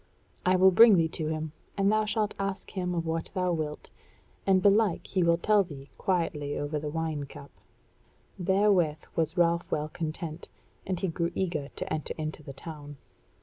I will bring thee to him, and thou shalt ask him of what thou wilt, and belike he will tell thee quietly over the wine cup." Therewith was Ralph well content, and he grew eager to enter into the town.